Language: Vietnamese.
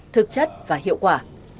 thực chất và hiệu quả